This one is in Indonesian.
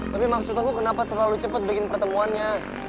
tapi maksud aku kenapa terlalu cepat bikin pertemuannya